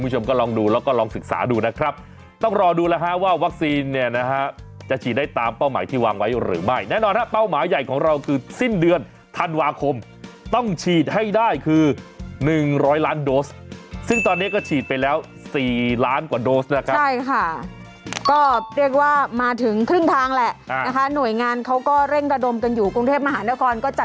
คุณผู้ชมก็ลองดูแล้วก็ลองศึกษาดูนะครับต้องรอดูแล้วฮะว่าวัคซีนเนี่ยนะฮะจะฉีดได้ตามเป้าหมายที่วางไว้หรือไม่แน่นอนฮะเป้าหมายใหญ่ของเราคือสิ้นเดือนธันวาคมต้องฉีดให้ได้คือ๑๐๐ล้านโดสซึ่งตอนนี้ก็ฉีดไปแล้ว๔ล้านกว่าโดสนะครับใช่ค่ะก็เรียกว่ามาถึงครึ่งทางแหละนะคะหน่วยงานเขาก็เร่งระดมกันอยู่กรุงเทพมหานครก็จะ